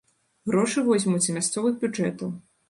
Грошы возьмуць з мясцовых бюджэтаў.